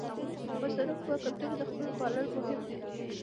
د پښتنو په کلتور کې د خپلوۍ پالل مهم دي.